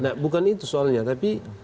nah bukan itu soalnya tapi